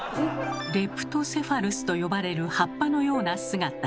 「レプトセファルス」と呼ばれる葉っぱのような姿。